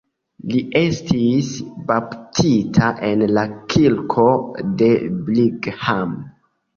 Li estis baptita en la kirko de Brigham.